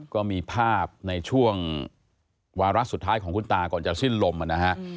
ก็มีภาพในช่วงวาระสุดท้ายของคุณตาก่อนจะสิ้นลมนะฮะ